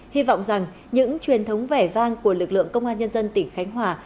hy vọng rằng những truyền thống vẻ vang của lực lượng công an nhân dân tỉnh khánh hòa